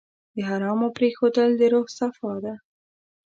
د حرامو پرېښودل د روح صفا ده.